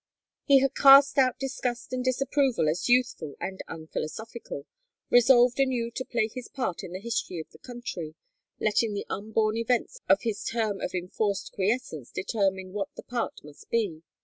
He had cast out disgust and disapproval as youthful and unphilosophical, resolved anew to play his part in the history of the country, letting the unborn events of his term of enforced quiescence determine what the part must be.